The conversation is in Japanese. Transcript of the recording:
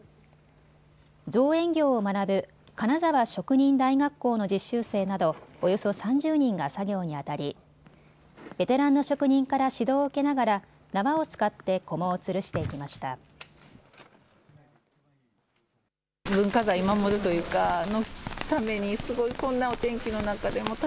造園業を学ぶ金沢職人大学校の実習生など、およそ３０人が作業にあたりベテランの職人から指導を受けながら縄を使ってこもをつるしていきました。